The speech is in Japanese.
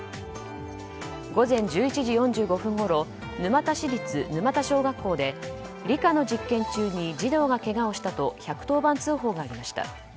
午前１１時４５分ごろ沼田市立沼田小学校で理科の実験中に児童がけがをしたと１１０番通報がありました。